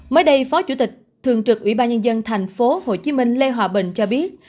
mới đây phó chủ tịch thường trực ủy ban nhân dân thành phố hồ chí minh lê hòa bình cho biết